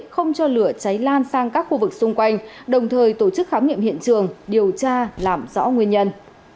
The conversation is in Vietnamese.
không cho lửa cháy lan sang các khu vực xung quanh đồng thời tổ chức khám nghiệm hiện trường điều tra làm rõ nguyên nhân